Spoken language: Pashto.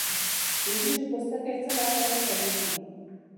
د وریجو پوستکی د څه لپاره کاریږي؟